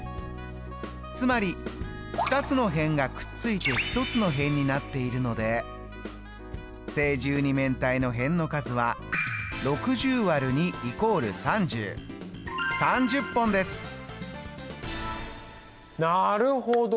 つまり２つの辺がくっついて１つの辺になっているので正十二面体の辺の数はなるほど！